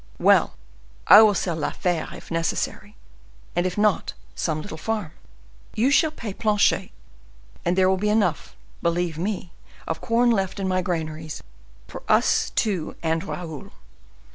Well, I will sell La Fere if necessary, and if not, some little farm. You shall pay Planchet, and there will be enough, believe me, of corn left in my granaries for us two and Raoul.